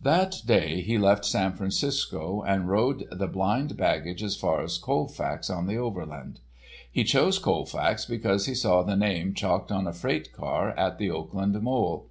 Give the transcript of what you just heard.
That day he left San Francisco and rode the blind baggage as far as Colfax on the Overland. He chose Colfax because he saw the name chalked on a freight car at the Oakland mole.